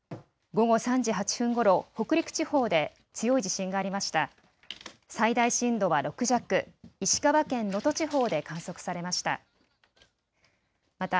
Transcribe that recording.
午後３時８分ごろ北陸地方で強い地震がありました。